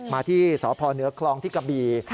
มาที่สพเหนือคลองที่กะบี